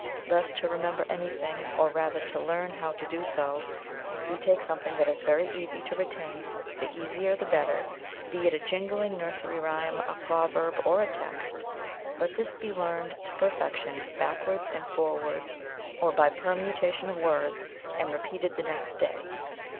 Thus to remember anything, or rather to learn how to do so, we take something which is very easy to retain the easier the better be it a jingling nursery rhyme, a proverb, or a text. Let this be learned to perfection, backwards and forwards, or by permutation of words, and repeated the next day.